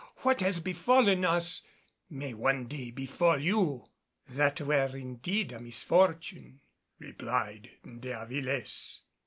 What has befallen us may one day befall you." "That were indeed a misfortune," replied De Avilés.